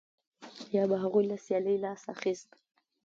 یا به هغوی له سیالۍ لاس اخیست